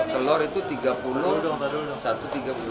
telur itu rp tiga puluh